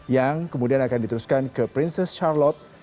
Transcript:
yang kemudian akan diteruskan ke princess charlot